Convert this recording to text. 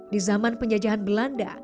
di zaman penjajahan belanda